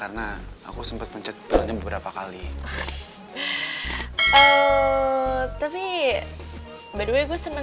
aku bakalan menew